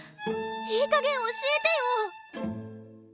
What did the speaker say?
いいかげん教えてよ。